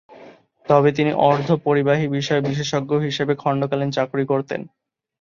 তবে তিনি অর্ধপরিবাহী বিষয়ে বিশেষজ্ঞ হিসেবে খণ্ডকালীন চাকুরি করতেন।